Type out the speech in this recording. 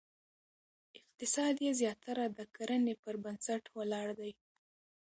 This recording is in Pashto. اقتصاد یې زیاتره د کرنې پر بنسټ ولاړ دی.